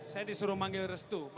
saya disuruh manggil restu